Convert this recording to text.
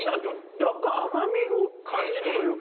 若干甘みを感じるというか。